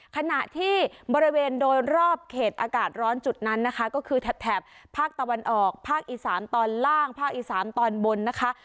ขณะที่บริเวณโดยรอบเขตอากาศร้อนจุดนั้นนะคะก็คือแถบภาคตะวันออกภาคอีสานตอนล่างภาคอีสานตอนบนนะคะ